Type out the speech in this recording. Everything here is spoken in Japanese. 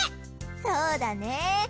そうだね。